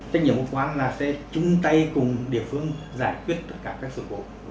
tất nhiên mục quán là sẽ chung tay cùng địa phương giải quyết tất cả các sự vụ